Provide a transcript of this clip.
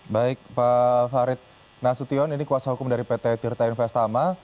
baik pak farid nasution ini kuasa hukum dari pt tirta investama